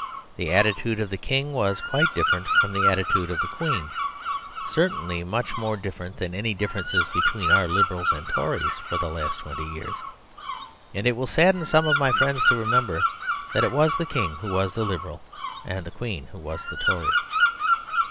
The attitude of the king was quite different from the attitude of the queen; certainly much more different than any differences between our Liberals and Tories for the last twenty years. And it will sadden some of my friends to remember that it was the king who was the Liberal and the queen who was the Tory.